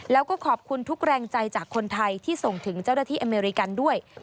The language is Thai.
แล้วก็ขอบคุณทุกแรงใจจากคนไทยที่ส่งถึงเจ้าหน้าที่อเมริกันด้วย